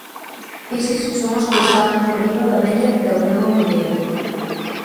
Eses son os que están por riba da media da Unión Europea.